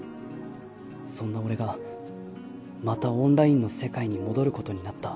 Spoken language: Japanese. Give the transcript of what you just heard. そんな俺がまたオンラインの世界に戻る事になった